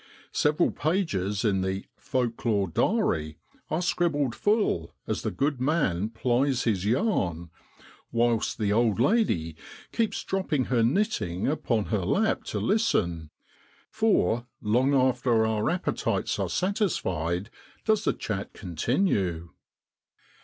Several pages in the ' folk lore diary ' are scribbled full, as the good man plies his yarn, whilst the old lady keeps dropping her knitting upon her lap to listen, for, long after our appetites are satisfied does the chat continue.